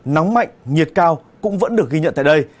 nóng mạnh nhiệt cao cũng vẫn được ghi nhận tại đây